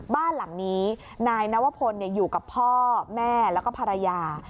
บ้านหลังนี้นายนวพลอยู่กับพ่อแม่แล้วก็ภรรยา